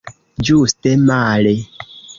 Ĝuste male!